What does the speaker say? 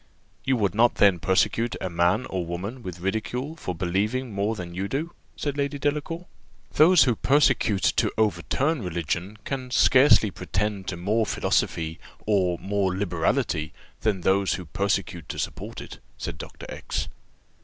"You would not then persecute a man or woman with ridicule for believing more than you do?" said Lady Delacour. "Those who persecute, to overturn religion, can scarcely pretend to more philosophy, or more liberality, than those who persecute to support it," said Dr. X